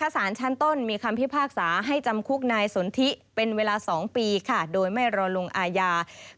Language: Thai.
สารชั้นต้นมีคำพิพากษาให้จำคุกนายสนทิเป็นเวลา๒ปีโดยไม่รอลงอาญา